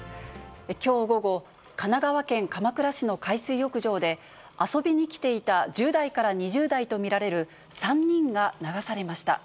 きょう午後、神奈川県鎌倉市の海水浴場で、遊びに来ていた１０代から２０代と見られる３人が流されました。